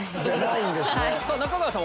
中川さん